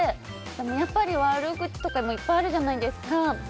やっぱり悪口とかがいっぱいあるじゃないですか。